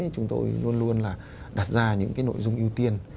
chúng tôi luôn luôn là đặt ra những nội dung ưu tiên